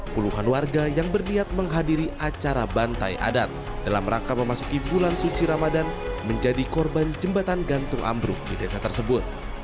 puluhan warga yang berniat menghadiri acara bantai adat dalam rangka memasuki bulan suci ramadan menjadi korban jembatan gantung ambruk di desa tersebut